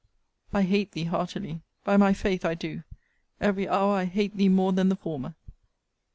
I hate thee heartily! by my faith I do! every hour I hate thee more than the former!